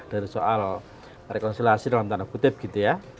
dari soal rekonsiliasi dalam tanda kutip gitu ya